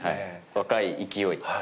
若い勢い。